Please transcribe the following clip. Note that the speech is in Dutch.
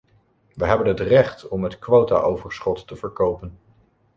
We hebben het recht om het quotaoverschot te verkopen.